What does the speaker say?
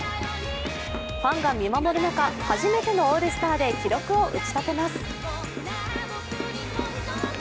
ファンが見守る中、初めてのオールスターで記録を打ち立てます。